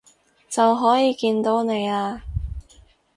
就可以見到你喇